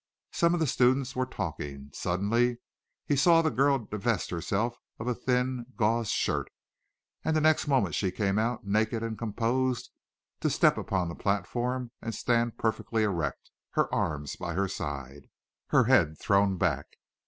Some of the students were talking. Suddenly he saw the girl divest herself of a thin, gauze shirt, and the next moment she came out, naked and composed, to step upon the platform and stand perfectly erect, her arms by her side, her head thrown back.